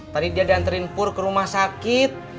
tadi dia diantarin pur ke rumah sakit